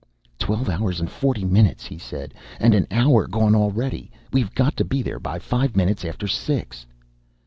"Twelve hours and forty minutes," he said. "And an hour gone already! We're got to be there by five minutes after six."